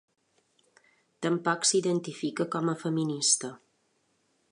Tampoc s'identifica com a feminista.